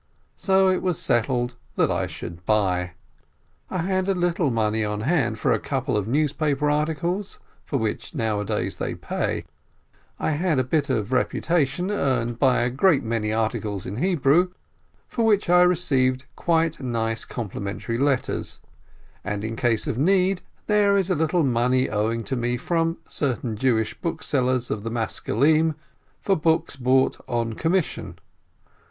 So it was settled that I should buy. I had a little money on hand for a couple of newspaper articles, for which nowadays they pay; I had a bit of reputation earned by a great many articles in Hebrew, for which I received quite nice complimentary letters; and, in case of need, there is a little money owing to me from cer tain Jewish booksellers of the Maskilim, for books bought "on commission."